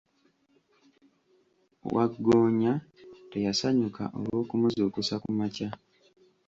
Wagggoonya teyasanyuka olw'okumuzuukusa ku makya.